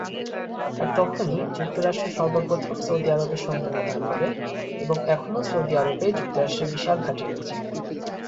আর তখনই যুক্তরাষ্ট্র সর্বপ্রথম সৌদি আরবে সৈন্য মোতায়েন করে এবং এখনো সৌদি আরবে যুক্তরাষ্ট্রের বিশাল ঘাঁটি রয়েছে।